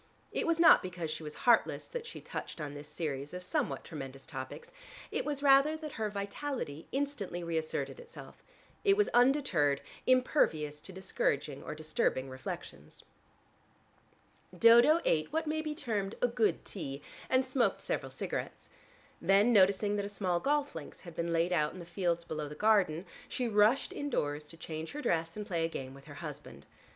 It was not because she was heartless that she touched on this series of somewhat tremendous topics: it was rather that her vitality instantly reasserted itself: it was undeterred, impervious to discouraging or disturbing reflections. Dodo ate what may be termed a good tea, and smoked several cigarettes. Then noticing that a small golf links had been laid out in the fields below the garden, she rushed indoors to change her dress, and play a game with her husband.